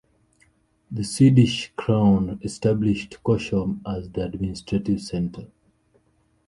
The Swedish crown established Korsholm as the administrative centre.